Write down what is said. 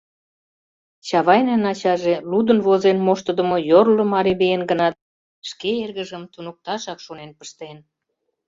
Чавайнын ачаже лудын-возен моштыдымо йорло марий лийын гынат, шке эргыжым туныкташак шонен пыштен.